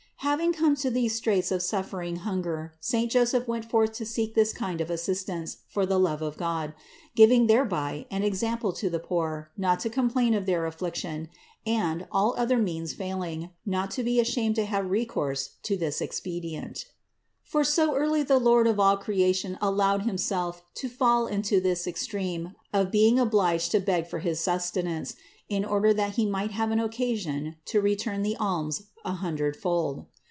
Having come to these straits of suffering hunger, saint Joseph went forth to seek this kind of assistance for the love of God; giving thereby an example to the poor not to complain of their affliction and, all other means failing, not to be ashamed to have recourse to this expedient For so early the Lord of all creation allowed Himself to fall into this extreme of being obliged to beg for his sustenance, in order that He might have an occasion to return the alms a hundredfold.